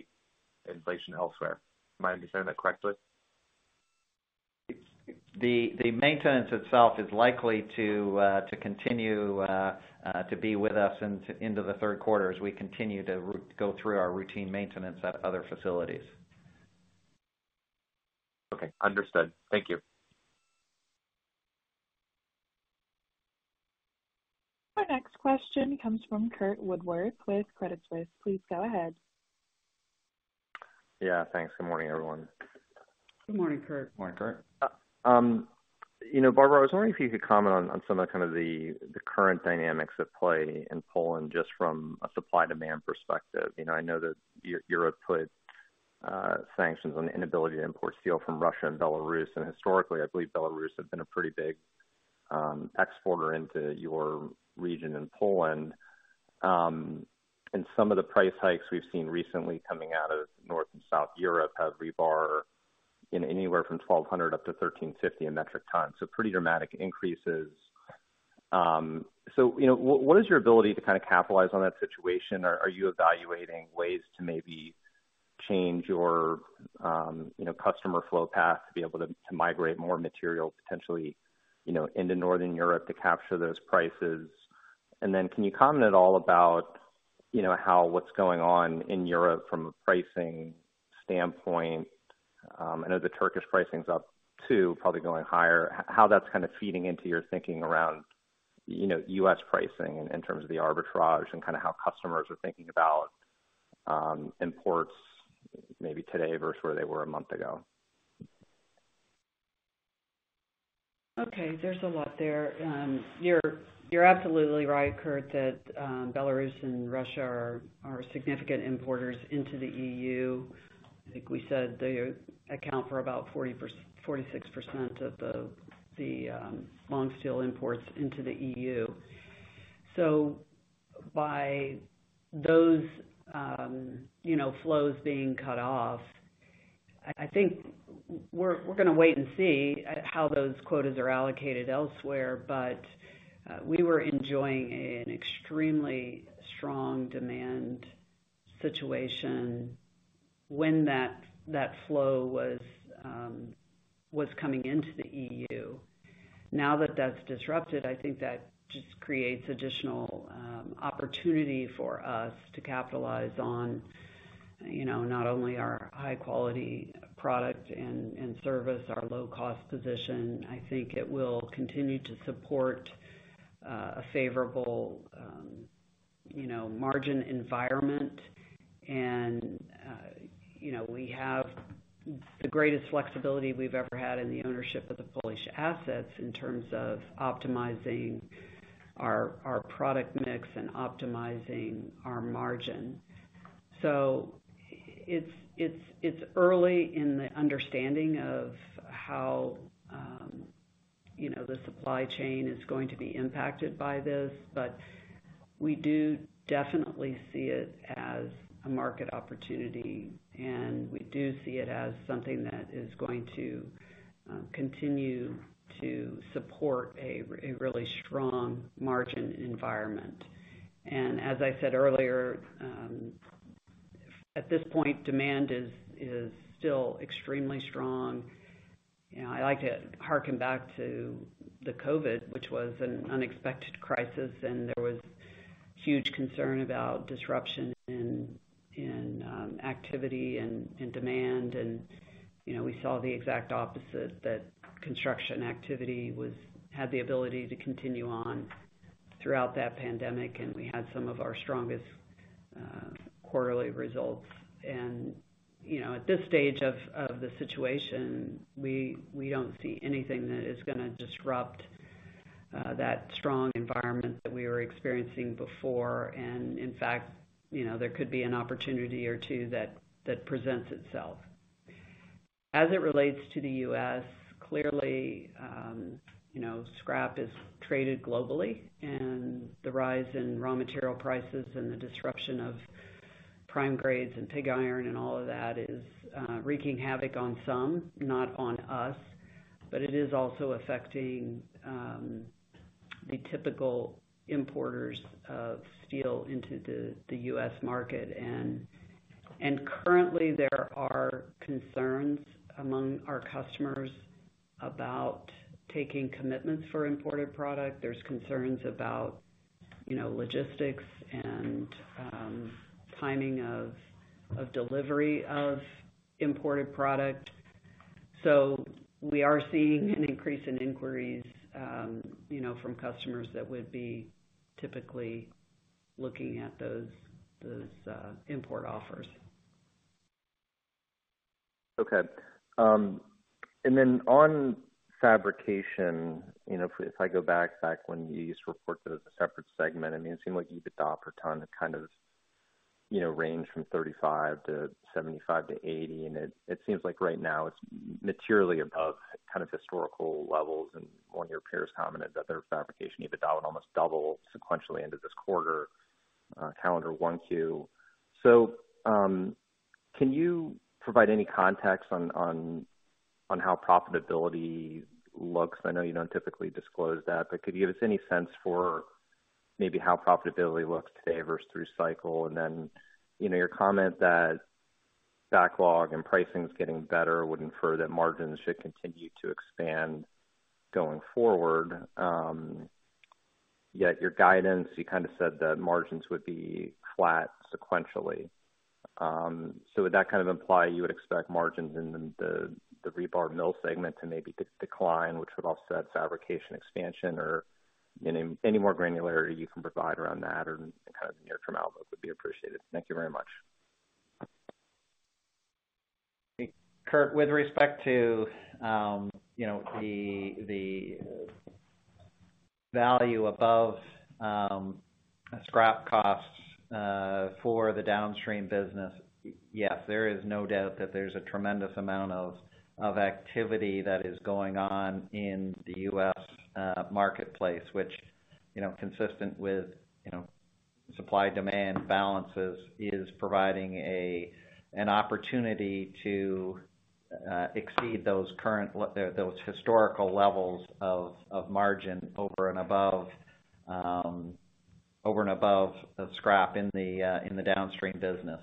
inflation elsewhere. Am I understanding that correctly? The maintenance itself is likely to continue to be with us into the third quarter as we continue to go through our routine maintenance at other facilities. Okay. Understood. Thank you. Our next question comes from Curt Woodworth with Credit Suisse. Please go ahead. Yeah. Thanks. Good morning, everyone. Good morning, Curt. Morning, Curt. You know, Barbara, I was wondering if you could comment on some of kind of the current dynamics at play in Poland, just from a supply-demand perspective. You know, I know that Europe put sanctions on the inability to import steel from Russia and Belarus. Historically, I believe Belarus has been a pretty big exporter into your region in Poland. And some of the price hikes we've seen recently coming out of Northern and Southern Europe have rebar in anywhere from 1,200 metric tons-1,350 metric tons, so pretty dramatic increases. You know, what is your ability to kind of capitalize on that situation? Are you evaluating ways to maybe change your customer flow path to be able to migrate more material potentially into Northern Europe to capture those prices? Can you comment at all about, you know, how what's going on in Europe from a pricing standpoint? I know the Turkish pricing's up too, probably going higher. How that's kind of feeding into your thinking around, you know, U.S. pricing in terms of the arbitrage and kind of how customers are thinking about imports maybe today versus where they were a month ago. Okay. There's a lot there. You're absolutely right, Kurt, that Belarus and Russia are significant importers into the EU. I think we said they account for about 46% of the long steel imports into the EU. By those flows being cut off, I think we're gonna wait and see how those quotas are allocated elsewhere. We were enjoying an extremely strong demand situation when that flow was coming into the EU. Now that that's disrupted, I think that just creates additional opportunity for us to capitalize on, you know, not only our high-quality product and service, our low-cost position. I think it will continue to support a favorable, you know, margin environment. You know, we have the greatest flexibility we've ever had in the ownership of the Polish assets in terms of optimizing our product mix and optimizing our margin. It's early in the understanding of how, you know, the supply chain is going to be impacted by this, but we do definitely see it as a market opportunity, and we do see it as something that is going to continue to support a really strong margin environment. As I said earlier, at this point, demand is still extremely strong. You know, I like to harken back to the COVID, which was an unexpected crisis, and there was huge concern about disruption in activity and demand. You know, we saw the exact opposite, that construction activity was... had the ability to continue on throughout that pandemic, and we had some of our strongest quarterly results. You know, at this stage of the situation, we don't see anything that is gonna disrupt that strong environment that we were experiencing before. In fact, you know, there could be an opportunity or two that presents itself. As it relates to the U.S., clearly, you know, scrap is traded globally and the rise in raw material prices and the disruption of prime grades and pig iron and all of that is wreaking havoc on some, not on us. But it is also affecting the typical importers of steel into the U.S. market. Currently there are concerns among our customers about taking commitments for imported product. There's concerns about, you know, logistics and, timing of delivery of imported product. We are seeing an increase in inquiries, you know, from customers that would be typically looking at those import offers. Okay. On fabrication, you know, if I go back when you used to report that as a separate segment, I mean, it seemed like EBITDA per ton kind of, you know, ranged from $35 to $75 to $80. It seems like right now it's materially above kind of historical levels. One of your peers commented that their fabrication EBITDA would almost double sequentially into this quarter, calendar Q1. Can you provide any context on how profitability looks? I know you don't typically disclose that, but could you give us any sense for maybe how profitability looks today versus through cycle? You know, your comment that backlog and pricing is getting better would infer that margins should continue to expand going forward. Yet your guidance, you kind of said that margins would be flat sequentially. Would that kind of imply you would expect margins in the rebar mill segment to maybe decline, which would offset fabrication expansion or any more granularity you can provide around that or kind of near-term outlook would be appreciated? Thank you very much. Curt, with respect to, you know, the value above scrap costs for the downstream business, yes, there is no doubt that there's a tremendous amount of activity that is going on in the U.S. marketplace. Which, you know, consistent with, you know, supply-demand balances, is providing an opportunity to exceed those current, historical levels of margin over and above the scrap in the downstream business.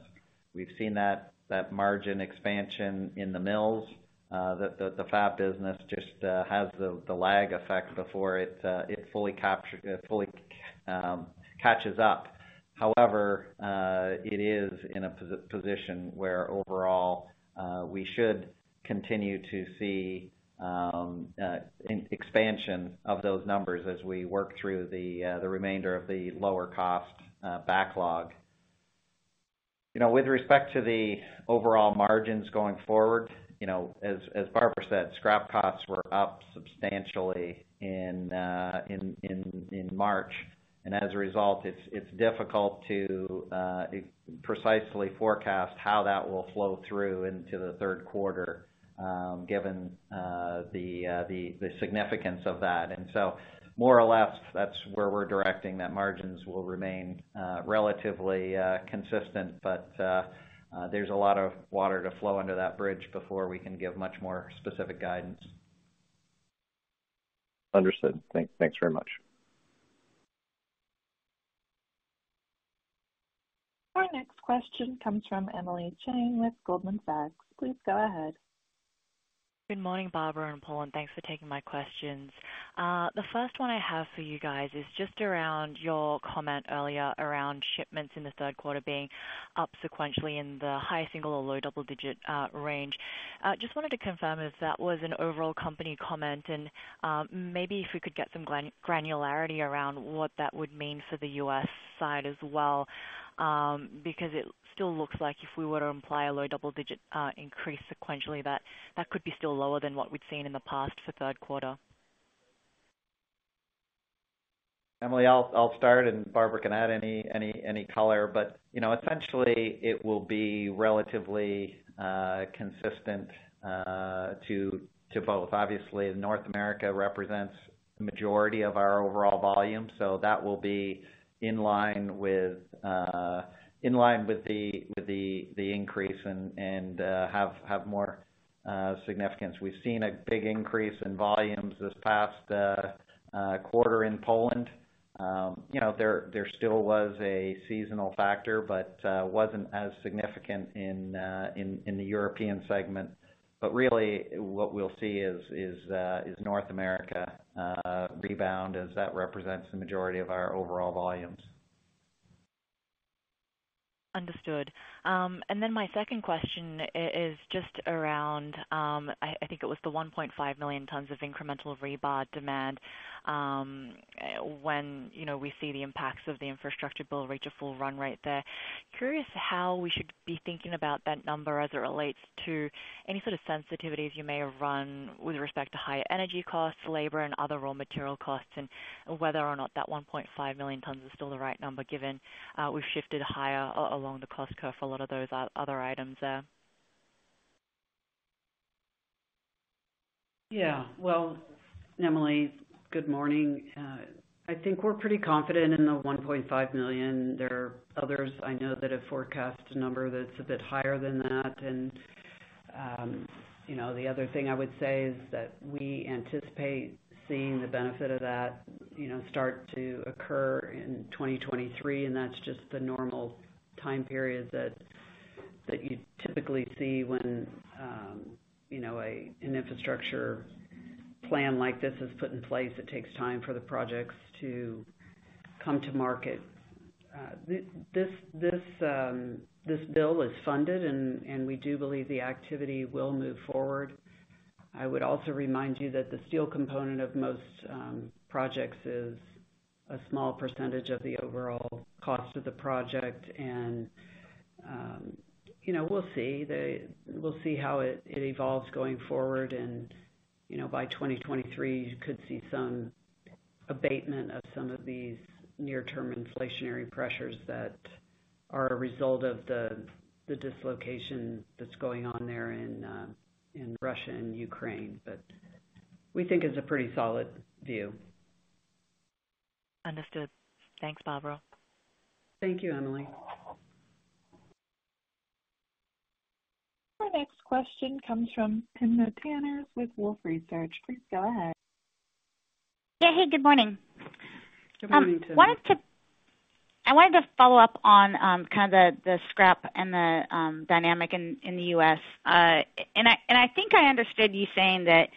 We've seen that margin expansion in the mills, the fab business just has the lag effect before it fully catches up. However, it is in a position where overall, we should continue to see an expansion of those numbers as we work through the remainder of the lower cost backlog. You know, with respect to the overall margins going forward, you know, as Barbara said, scrap costs were up substantially in March. As a result, it's difficult to precisely forecast how that will flow through into the third quarter, given the significance of that. More or less, that's where we're directing that margins will remain relatively consistent. There's a lot of water to flow under that bridge before we can give much more specific guidance. Understood. Thanks very much. Our next question comes from Emily Chieng with Goldman Sachs. Please go ahead. Good morning, Barbara and Paul, and thanks for taking my questions. The first one I have for you guys is just around your comment earlier around shipments in the third quarter being up sequentially in the high single or low double-digit range. Just wanted to confirm if that was an overall company comment and, maybe if we could get some granularity around what that would mean for the U.S. side as well. Because it still looks like if we were to imply a low double-digit increase sequentially, that could be still lower than what we'd seen in the past for third quarter. Emily, I'll start, and Barbara can add any color. You know, essentially, it will be relatively consistent to both. Obviously, North America represents the majority of our overall volume, so that will be in line with the increase and have more significance. We've seen a big increase in volumes this past quarter in Poland. You know, there still was a seasonal factor, but wasn't as significant in the European segment. Really what we'll see is North America rebound as that represents the majority of our overall volumes. Understood. My second question is just around, I think it was the 1.5 million tons of incremental rebar demand, when, you know, we see the impacts of the infrastructure bill reach a full run rate there. Curious how we should be thinking about that number as it relates to any sort of sensitivities you may have run with respect to higher energy costs, labor, and other raw material costs, and whether or not that 1.5 million tons is still the right number, given we've shifted higher along the cost curve for a lot of those other items there. Yeah. Well, Emily, good morning. I think we're pretty confident in the 1.5 million. There are others I know that have forecast a number that's a bit higher than that. You know, the other thing I would say is that we anticipate seeing the benefit of that, you know, start to occur in 2023, and that's just the normal time period that you'd typically see when an infrastructure plan like this is put in place. It takes time for the projects to come to market. This bill is funded and we do believe the activity will move forward. I would also remind you that the steel component of most projects is a small percentage of the overall cost of the project. You know, we'll see. They We'll see how it evolves going forward. You know, by 2023, you could see some abatement of some of these near-term inflationary pressures that are a result of the dislocation that's going on there in Russia and Ukraine. We think it's a pretty solid view. Understood. Thanks, Barbara. Thank you, Emily. Our next question comes from Timna Tanners with Wolfe Research. Please go ahead. Yeah. Hey, good morning. Good morning, Timna. I wanted to follow up on kind of the scrap and the dynamic in the U.S. I think I understood you saying that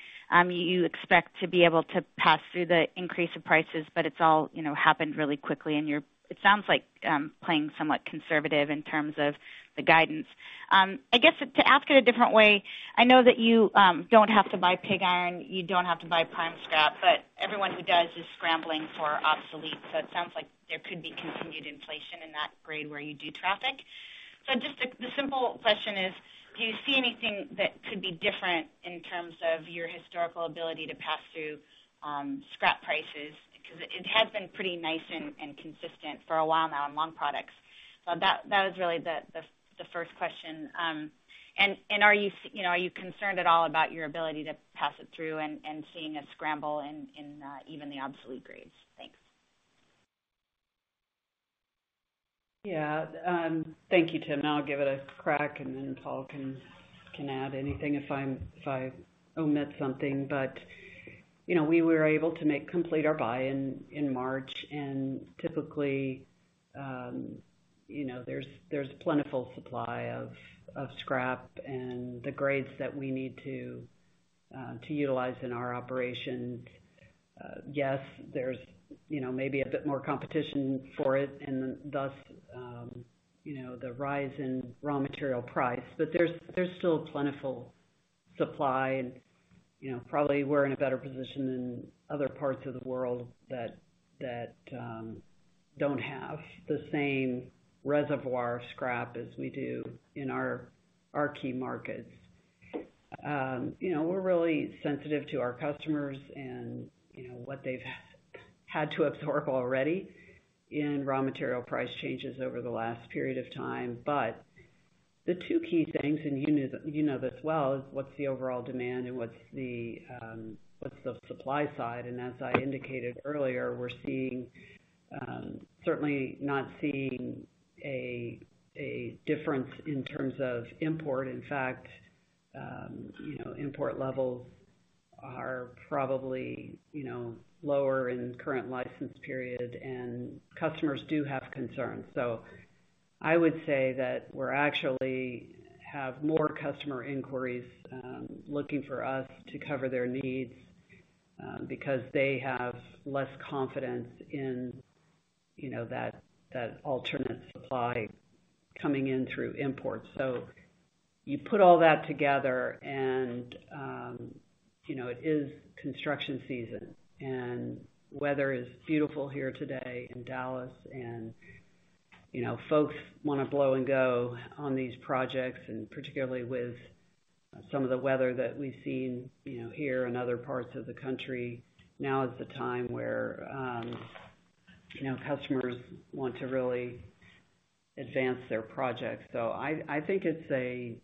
you expect to be able to pass through the increase of prices, but it's all, you know, happened really quickly, and it sounds like you're playing somewhat conservative in terms of the guidance. I guess to ask it a different way, I know that you don't have to buy pig iron, you don't have to buy prime scrap, but everyone who does is scrambling for obsolete, so it sounds like there could be continued inflation in that grade where you do traffic. The simple question is, do you see anything that could be different in terms of your historical ability to pass through scrap prices? Because it has been pretty nice and consistent for a while now in long products. That is really the first question. You know, are you concerned at all about your ability to pass it through and seeing a scramble in even the obsolete grades? Thanks. Yeah. Thank you, Timna. I'll give it a crack, and then Paul can add anything if I omit something. You know, we were able to complete our buy-in in March. And typically, you know, there's plentiful supply of scrap and the grades that we need to utilize in our operations. Yes, there's you know, maybe a bit more competition for it and thus the rise in raw material price. There's still plentiful supply and you know, probably we're in a better position than other parts of the world that don't have the same reservoir of scrap as we do in our key markets. You know, we're really sensitive to our customers and, you know, what they've had to absorb already in raw material price changes over the last period of time. The two key things, and you know, you know this well, is what's the overall demand and what's the supply side? As I indicated earlier, we're certainly not seeing a difference in terms of import. In fact, you know, import levels are probably, you know, lower in current license period, and customers do have concerns. I would say that we actually have more customer inquiries looking for us to cover their needs because they have less confidence in, you know, that alternate supply coming in through imports. You put all that together and, you know, it is construction season, and weather is beautiful here today in Dallas. You know, folks wanna blow and go on these projects, and particularly with some of the weather that we've seen, you know, here and other parts of the country, now is the time where customers want to really advance their projects. I think it's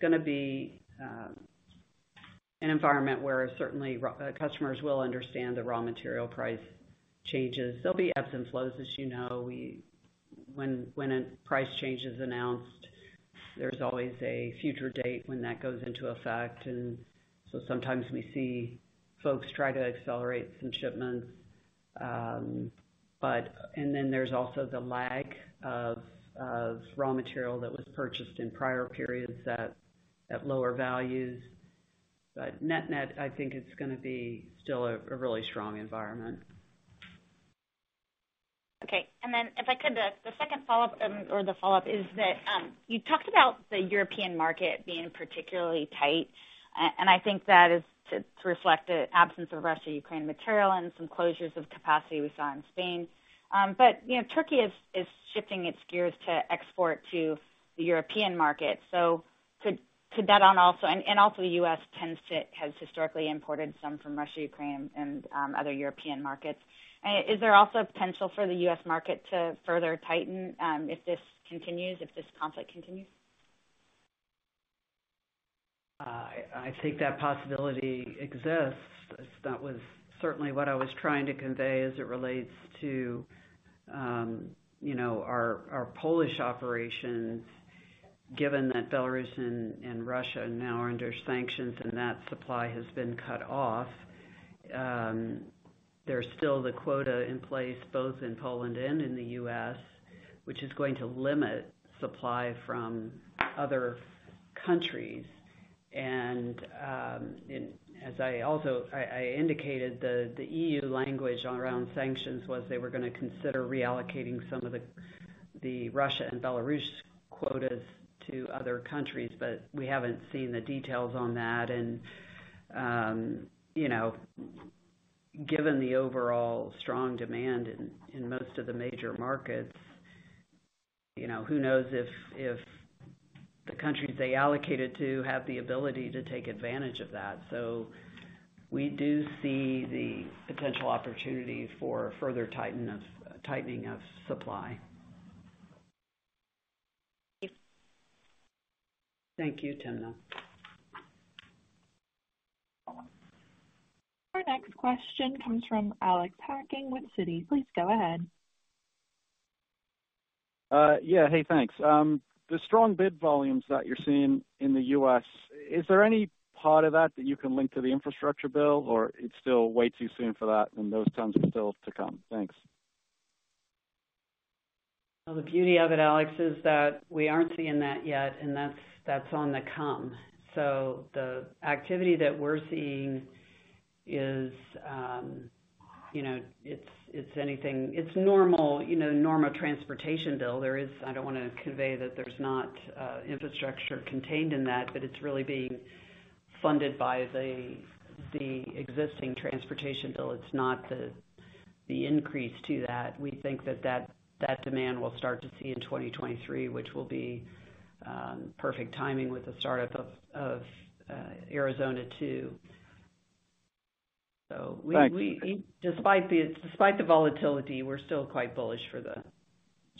gonna be an environment where certainly customers will understand the raw material price changes. There'll be ebbs and flows, as you know. When a price change is announced, there's always a future date when that goes into effect. And so sometimes we see folks try to accelerate some shipments. But there's also the lag of raw material that was purchased in prior periods at lower values. But net-net, I think it's gonna be still a really strong environment. Okay. If I could, the second follow-up or the follow-up is that you talked about the European market being particularly tight. I think that is to reflect the absence of Russia-Ukraine material and some closures of capacity we saw in Spain. You know, Turkey is shifting its gears to export to the European market. Could that also? Also the U.S. has historically imported some from Russia, Ukraine, and other European markets. Is there also potential for the U.S. market to further tighten if this continues, if this conflict continues? I think that possibility exists. That was certainly what I was trying to convey as it relates to, you know, our Polish operations, given that Belarus and Russia now are under sanctions, and that supply has been cut off. There's still the quota in place, both in Poland and in the U.S., which is going to limit supply from other countries. As I also indicated, the EU language around sanctions was they were gonna consider reallocating some of the Russia and Belarus quotas to other countries. We haven't seen the details on that. You know, given the overall strong demand in most of the major markets, you know, who knows if the countries they allocated to have the ability to take advantage of that. We do see the potential opportunity for further tightening of supply. Thank you. Thank you, Timna. Our next question comes from Alex Hacking with Citi. Please go ahead. Yeah. Hey, thanks. The strong bid volumes that you're seeing in the U.S., is there any part of that that you can link to the infrastructure bill, or it's still way too soon for that and those tons are still to come? Thanks. Well, the beauty of it, Alex, is that we aren't seeing that yet, and that's on the come. The activity that we're seeing is, you know, it's anything. It's normal, you know, normal transportation bill. There is I don't wanna convey that there's not infrastructure contained in that, but it's really being funded by the existing transportation bill. It's not the increase to that. We think that demand we'll start to see in 2023, which will be perfect timing with the startup of Arizona 2. We Thanks. Despite the volatility, we're still quite bullish for the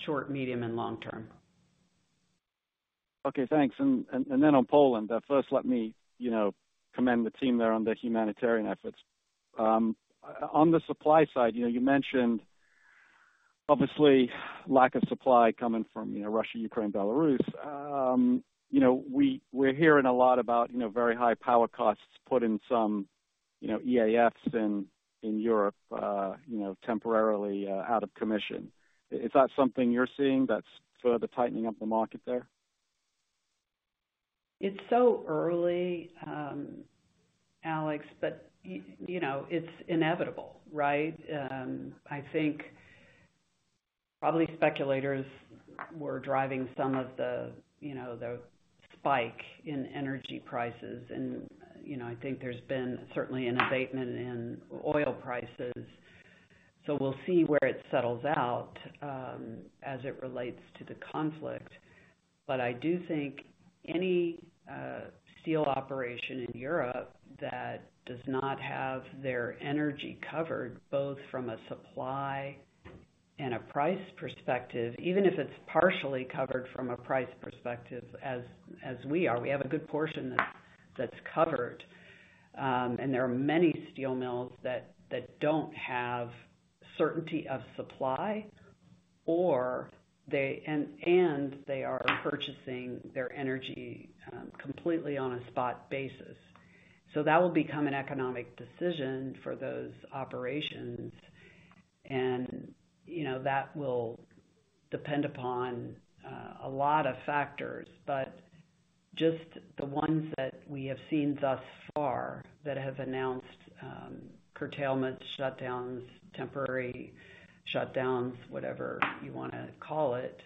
short, medium, and long term. Okay, thanks. First let me, you know, commend the team there on their humanitarian efforts. On the supply side, you know, you mentioned obviously lack of supply coming from, you know, Russia, Ukraine, Belarus. You know, we're hearing a lot about, you know, very high power costs putting some, you know, EAFs in Europe temporarily out of commission. Is that something you're seeing that's further tightening up the market there? It's so early, Alex Hacking, but you know, it's inevitable, right? I think probably speculators were driving some of the, you know, the spike in energy prices. You know, I think there's been certainly an abatement in oil prices. We'll see where it settles out, as it relates to the conflict. I do think any steel operation in Europe that does not have their energy covered, both from a supply and a price perspective, even if it's partially covered from a price perspective as we are, we have a good portion that's covered. There are many steel mills that don't have certainty of supply or they are purchasing their energy completely on a spot basis. That will become an economic decision for those operations. You know, that will depend upon a lot of factors. Just the ones that we have seen thus far that have announced curtailments, shutdowns, temporary shutdowns, whatever you wanna call it,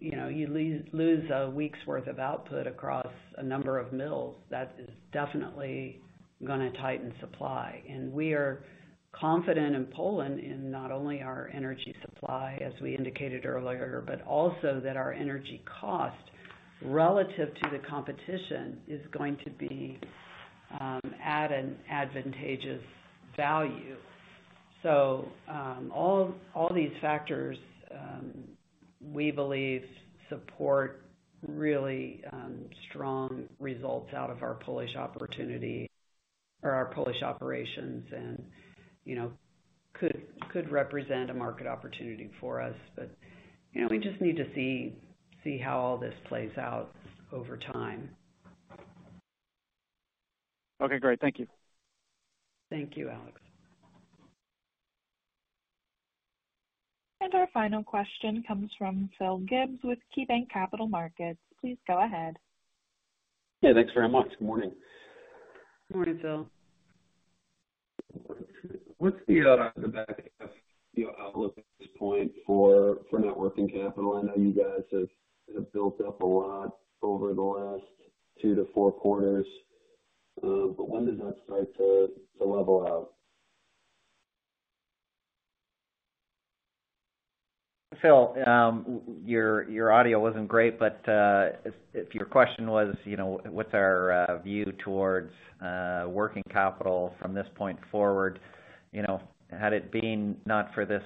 you know, you lose a week's worth of output across a number of mills. That is definitely gonna tighten supply. We are confident in Poland in not only our energy supply, as we indicated earlier, but also that our energy cost relative to the competition is going to be at an advantageous value. All these factors, we believe support really strong results out of our Polish opportunity or our Polish operations and, you know, could represent a market opportunity for us. You know, we just need to see how all this plays out over time. Okay, great. Thank you. Thank you, Alex. Our final question comes from Phil Gibbs with KeyBanc Capital Markets. Please go ahead. Yeah, thanks very much. Good morning. Good morning, Phil. What's the back half year outlook at this point for net working capital? I know you guys have built up a lot over the last 2-4 quarters. When does that start to level out? Phil, your audio wasn't great, but if your question was, you know, what's our view towards working capital from this point forward, you know, had it been not for this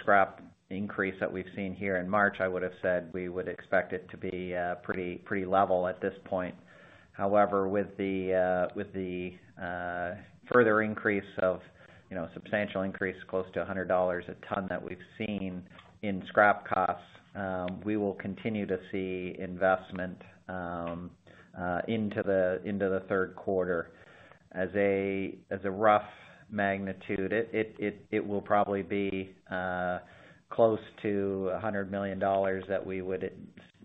scrap increase that we've seen here in March, I would have said we would expect it to be pretty level at this point. However, with the further increase, you know, a substantial increase close to $100 a ton that we've seen in scrap costs, we will continue to see investment into the third quarter. As a rough magnitude, it will probably be close to $100 million that we would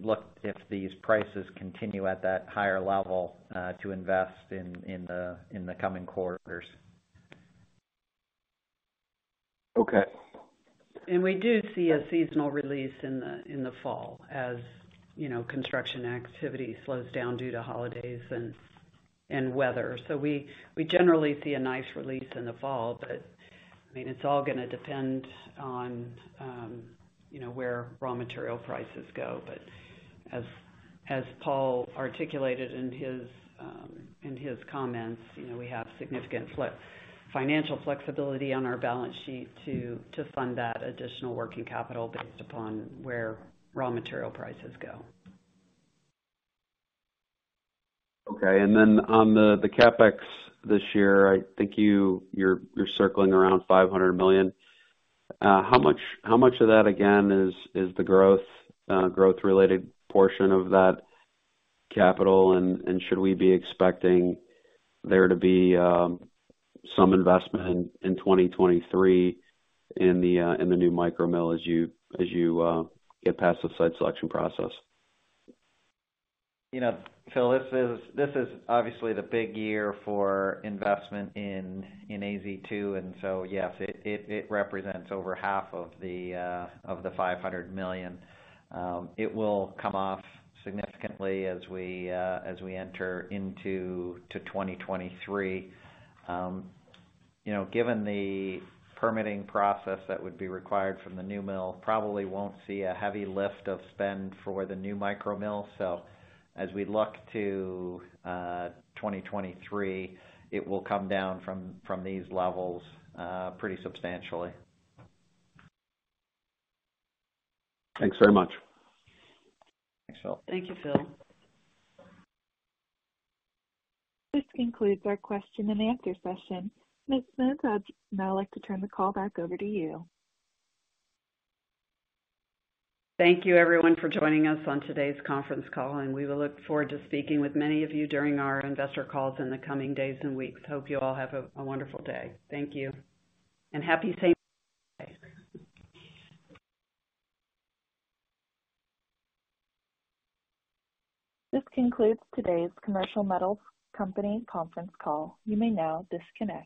look, if these prices continue at that higher level, to invest in the coming quarters. Okay. We do see a seasonal release in the fall as, you know, construction activity slows down due to holidays and weather. We generally see a nice release in the fall. I mean, it's all gonna depend on, you know, where raw material prices go. As Paul articulated in his comments, you know, we have significant financial flexibility on our balance sheet to fund that additional working capital based upon where raw material prices go. Okay. Then on the CapEx this year, I think you're circling around $500 million. How much of that again is the growth-related portion of that capital? Should we be expecting there to be some investment in 2023 in the new micro mill as you get past the site selection process? You know, Phil, this is obviously the big year for investment in AZ2. Yes, it represents over half of the $500 million. It will come off significantly as we enter into 2023. You know, given the permitting process that would be required from the new mill, probably won't see a heavy lift of spend for the new micro mill. As we look to 2023, it will come down from these levels pretty substantially. Thanks very much. Thanks, Phil. Thank you, Phil. This concludes our question and answer session. Ms. Smith, I'd now like to turn the call back over to you. Thank you everyone for joining us on today's conference call, and we will look forward to speaking with many of you during our investor calls in the coming days and weeks. Hope you all have a wonderful day. Thank you. Happy St. This concludes today's Commercial Metals Company conference call. You may now disconnect.